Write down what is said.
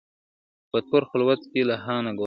په تور خلوت کي له هانه ګوښه ,